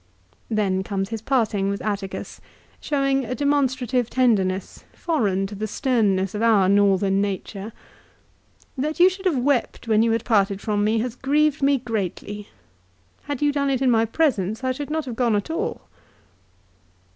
2 Then comes his parting with Atticus, showing a demonstrative tenderness foreign to the sternness of our northern nature. "That you should have wept when you had parted from me has grieved me greatly. Had you done it in my presence I should not have gone at all."